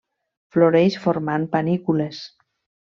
Floreix formant panícules.